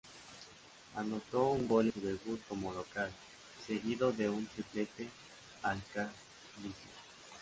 Anotó un gol en su debut como local, seguido de un triplete al Carlisle.